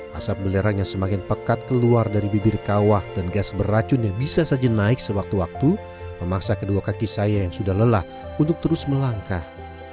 asap belerang yang semakin pekat keluar dari bibir kawah dan gas beracun yang bisa saja naik sewaktu waktu memaksa kedua kaki saya yang sudah lelah untuk terus melangkah